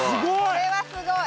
これはすごい。